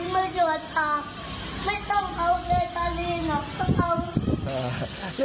ไม่ต้องเอาเล็กาลีนะเพราะเขา